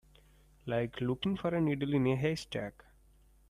Like looking for a needle in a haystack.